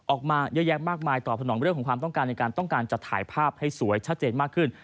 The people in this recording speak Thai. ออกมาเยอะแยะมากมายตอบสนองเรื่องของความต้องการในการต้องการจะถ่ายภาพให้สวยชัดเจนมากขึ้น